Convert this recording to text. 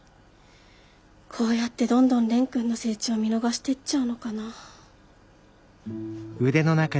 こうやってどんどん蓮くんの成長見逃していっちゃうのかな。